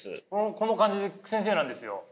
この感じで先生なんですよ。